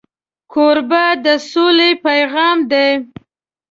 کوربه د سولې پیغام دی.